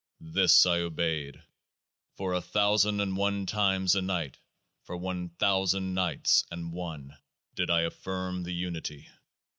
This I obeyed : for a thousand and one times a night for one thousand nights and one did I affirm the Unity.